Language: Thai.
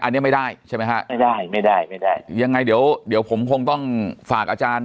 อันนี้ไม่ได้ใช่ไหมฮะไม่ได้ยังไงเดี๋ยวผมคงต้องฝากอาจารย์